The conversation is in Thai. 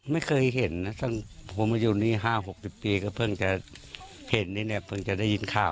ไม่เคยเห็นนะผมมีเป็นอายุ๕๖๐ปีก็เพิ่งจะเห็นได้เมื่อกี้ก็เพิ่งจะได้ยินข่าว